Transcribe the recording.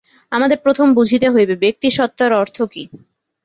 আমাদের প্রথম বুঝিতে হইবে ব্যক্তি-সত্তার অর্থ কি।